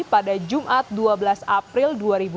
pada jumat dua belas april dua ribu dua puluh